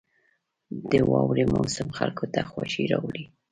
• د واورې موسم خلکو ته خوښي راولي.